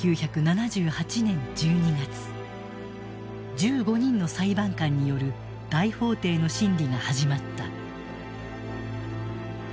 １５人の裁判官による大法廷の審理が始まった。